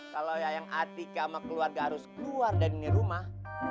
kalau yayang atika sama keluarga harus keluar dari rumah